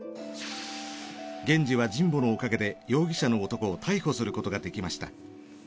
源次は神保のおかげで容疑者の男を逮捕することができました。